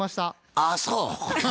ああそう。